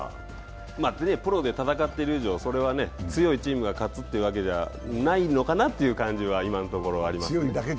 プロで戦ってる以上、それは強いチームが勝つというわけではないのかなと今のところありますね。